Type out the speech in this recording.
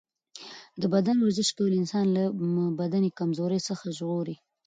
د بدن ورزش کول انسان له بدني کمزورۍ څخه ژغوري.